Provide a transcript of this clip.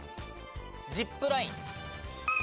ジップライン。